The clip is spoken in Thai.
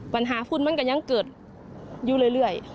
ปัญหาฝุ่นมันก็ยังเกิดอยู่เรื่อย